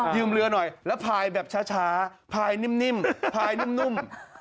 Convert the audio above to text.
ืมเรือหน่อยแล้วพายแบบช้าพายนิ่มพายนุ่ม